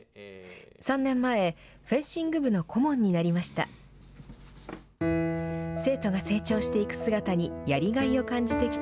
３年前、フェンシング部の顧問になりました。